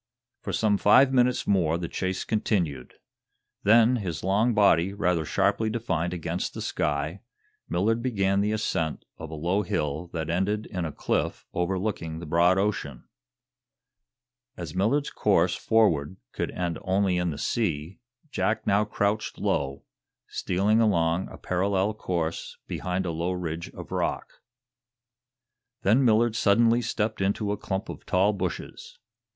For some five minutes more the chase continued. Then, his long body rather sharply defined against the sky, Millard began the ascent of a low hill that ended in a cliff overlooking the broad ocean. As Millard's course forward could end only in the sea, Jack now crouched low, stealing along a parallel course behind a low ridge of rock. Then Millard suddenly stepped into a clump of tall bushes.